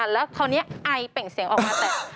แล้วคราวนี้ไอเปล่งเสียงออกมาแตก